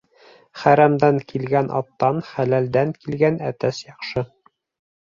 Хәрәмдән килгән аттан хәләлдән килгән әтәс яҡшы.